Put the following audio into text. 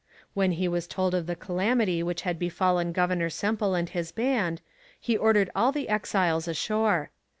When he was told of the calamity which had befallen Governor Semple and his band, he ordered all the exiles ashore.